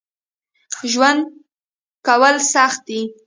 ژوند کول سخت دي